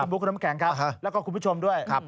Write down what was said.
บุ๊คคุณน้ำแข็งครับแล้วก็คุณผู้ชมด้วย